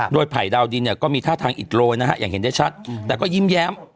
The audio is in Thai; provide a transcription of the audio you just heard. โดยไผ่ดาวดินเนี่ยก็มีท่าทางอิดโรยนะฮะอย่างเห็นได้ชัดแต่ก็ยิ้มแย้ม